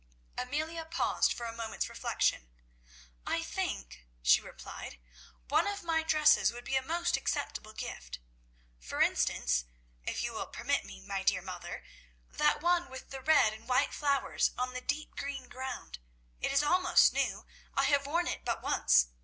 Amelia paused for a moment's reflection. "I think," she replied, "one of my dresses would be a most acceptable gift. For instance, if you will permit me, my dear mother, that one with the red and white flowers on the deep green ground. It is almost new; I have worn it but once.